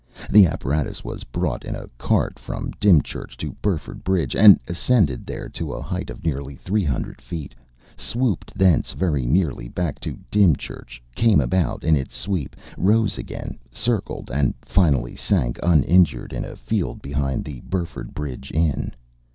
The apparatus was brought in a cart from Dymchurch to Burford Bridge, ascended there to a height of nearly three hundred feet, swooped thence very nearly back to Dymchurch, came about in its sweep, rose again, circled, and finally sank uninjured in a field behind the Burford Bridge Inn.